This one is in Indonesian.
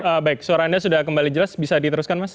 baik suara anda sudah kembali jelas bisa diteruskan mas